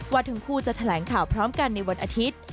ว่าทั้งคู่จะแถลงข่าวพร้อมกันในวันอาทิตย์